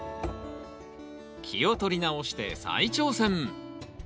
気を取り直して再挑戦！